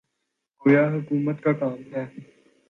گویا حکومت کا کام ہے۔